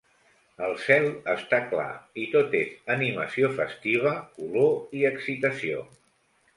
El cel està clar i tot és animació festiva, color i excitació.